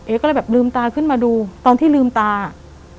ก็เลยแบบลืมตาขึ้นมาดูตอนที่ลืมตาอ่ะ